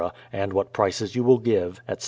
and what prices you will give, etc.